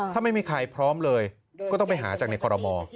ถ้าไม่มีใครพร้อมเลยก็ต้องไปหาจากในคอรมอ